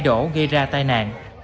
đổ gây ra tai nạn